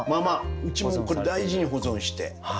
うちもこれ大事に保存して。